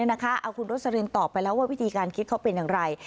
เอาคุณโรสลินตอบไปแล้วว่าวิธีการคิดเขาเป็นอย่างไร